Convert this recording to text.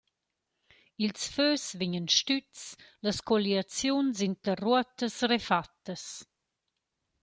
Ils fös vegnan stüzs, las colliaziuns interruottas refattas.